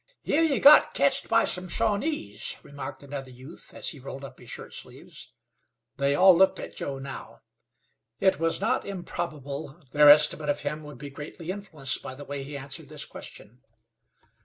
"Hear ye got ketched by some Shawnees?" remarked another youth, as he rolled up his shirt sleeves. They all looked at Joe now. It was not improbably their estimate of him would be greatly influenced by the way he answered this question.